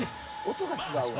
音が違うわ。